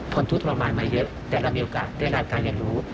ทนทุทธรรมานมาเยอะแต่เรามีโอกาสได้รับการให้รู้